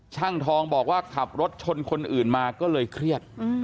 ช่างทองบอกว่าขับรถชนคนอื่นมาก็เลยเครียด